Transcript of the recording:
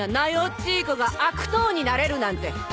っちい子が悪党になれるなんて。